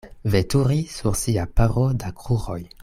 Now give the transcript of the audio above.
Veturi sur sia paro da kruroj.